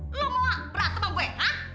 lo mau berantem sama gue ha